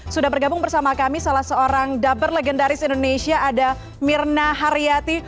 sudah bergabung bersama kami salah seorang daber legendaris indonesia ada mirna haryati